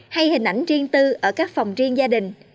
hay hình ảnh riêng tư ở các phòng riêng gia đình